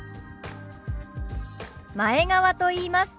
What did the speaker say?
前川と言います。